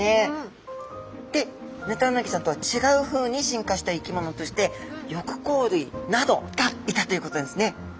でヌタウナギちゃんとは違うふうに進化した生き物として翼甲類などがいたということですね。